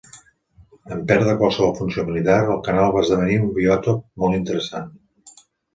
En perdre qualsevol funció militar, el canal va esdevenir un biòtop molt interessant.